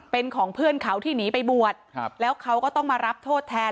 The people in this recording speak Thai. เป็นของเพื่อนเขาที่หนีไปบวชครับแล้วเขาก็ต้องมารับโทษแทน